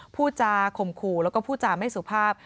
พูดจาข่มขู่แล้วก็พูดจาไม่สุภาพ